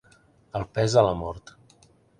El pes de la mort.